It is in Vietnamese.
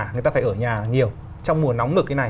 người ta phải ở nhà nhiều trong mùa nóng nực cái này